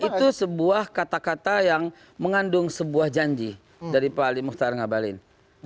itu sebuah kata kata yang mengandung sebuah janji dari pak ali muhtar ngabalin